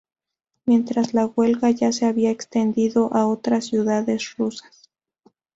Mientras, la huelga ya se había extendido a otras ciudades rusas.